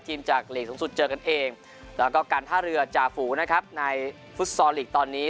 จากหลีกสูงสุดเจอกันเองแล้วก็การท่าเรือจ่าฝูนะครับในฟุตซอลลีกตอนนี้